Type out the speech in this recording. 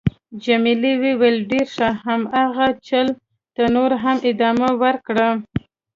جميلې وويل:: ډېر ښه. همدغه چل ته نور هم ادامه ورکړه.